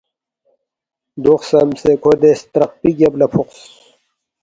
“ دو خسمسے کھو دے سترقپی گیب لہ فوقس